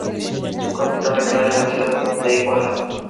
Su capital regional es la ciudad de Iguala.